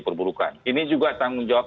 perburukan ini juga tanggung jawab